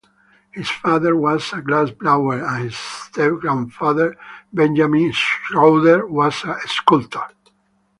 His father was a glass-blower and his step-grandfather Benjamin Schrowder was a sculptor.